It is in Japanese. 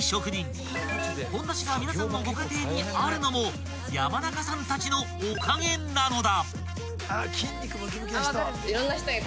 ［ほんだしが皆さんのご家庭にあるのも山中さんたちのおかげなのだ］